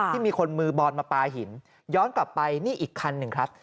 ที่มีคนมือบอลมาปลาหินย้อนกลับไปนี่อีกคันหนึ่งครับ